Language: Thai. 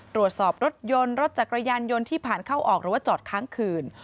ตรวจสอบรถยนต์รถจักรยานยนต์ที่ผ่านเข้าออกหรือว่าจอดค้างคืน